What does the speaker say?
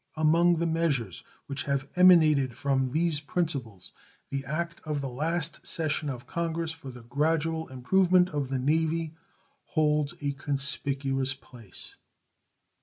Among the measures which have emanated from these principles the act of the last session of Congress for the gradual improvement of the Navy holds a conspicuous place.